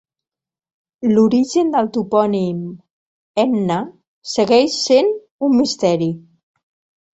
L'origen del topònim "Henna" segueix sent un misteri.